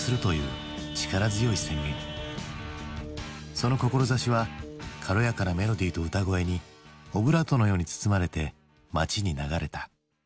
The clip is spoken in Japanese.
その志は軽やかなメロディーと歌声にオブラートのように包まれて街に流れた。